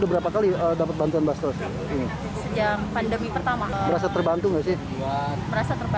berapa kali dapat bantuan bastos sejak pandemi pertama terbantu dengan bantuan keadaan seperti